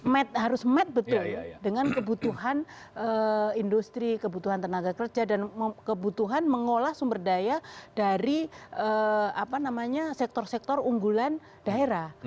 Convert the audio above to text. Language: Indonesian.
mat harus mat betul dengan kebutuhan industri kebutuhan tenaga kerja dan kebutuhan mengolah sumber daya dari sektor sektor unggulan daerah